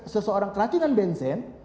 seseorang keracunan benzen